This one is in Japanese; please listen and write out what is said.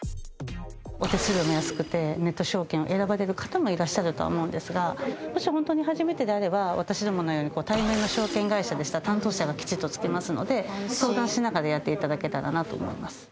お手数料も安くてネット証券を選ばれる方もいらっしゃるとは思うのですがもしホントに初めてであれば私どものように対面の証券会社でしたら担当者がきちっとつきますので相談しながらやって頂けたらなと思います。